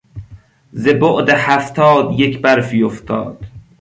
زبعد هفتاد یک برفی افتاد...